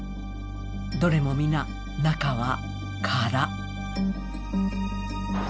どれも皆、中は空。